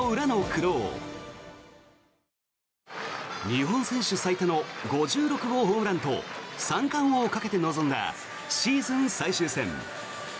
日本選手最多の５６号ホームランと三冠王をかけて臨んだシーズン最終戦。